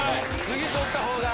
次取った方が。